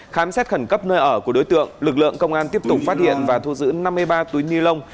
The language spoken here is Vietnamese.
khám xét khẩn cấp nơi ở của đối tượng lực lượng công an tiếp tục phát hiện và thu giữ năm mươi ba túi ni lông